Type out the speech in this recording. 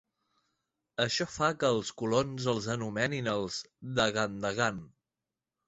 Això fa que els colons els anomenin els "Dagandagan".